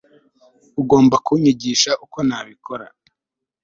Ugomba kunyigisha uko nabikora